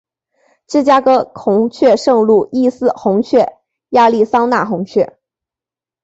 芝加哥红雀圣路易斯红雀亚利桑那红雀